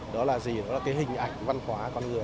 đó là gì đó là cái hình ảnh văn hóa con người